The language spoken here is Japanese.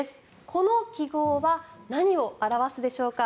この記号は何を表すでしょうか。